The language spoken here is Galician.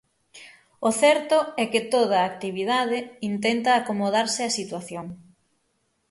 O certo é que toda a actividade intenta acomodarse á situación.